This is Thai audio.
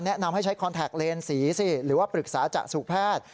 แนะนำให้ใช้คอนแท็กเลนสีสิหรือว่าปรึกษาจสู่แพทย์